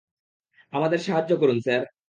আমাদের সাহায্য করুন, স্যার।